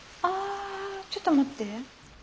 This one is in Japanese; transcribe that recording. あちょっと待って。